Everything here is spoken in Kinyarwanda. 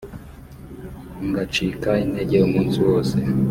ngacika intege umunsi wose